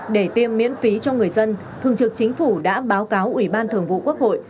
để tiêm miễn phí cho người dân thường trực chính phủ đã báo cáo ủy ban thường vụ quốc hội